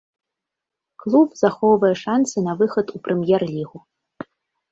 Клуб захоўвае шанцы на выхад у прэм'ер-лігу.